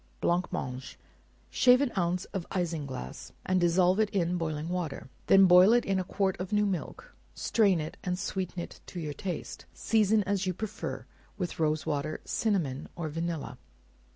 Blancmange. Shave an ounce of isinglass, and dissolve it in boiling water; then boil it in a quart of new milk; strain it and sweeten it to your taste; season as you prefer, with rose water, cinnamon, or vanilla.